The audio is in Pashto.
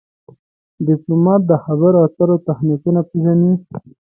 ډيپلومات د خبرو اترو تخنیکونه پېژني.